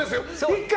１回！